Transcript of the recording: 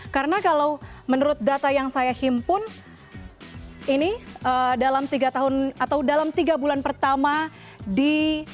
karena kalau menurut data yang saya himpun ini dalam tiga tahun atau dalam tiga bulan pertama di dua ribu delapan belas